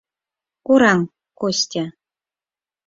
— Кораҥ, Костя.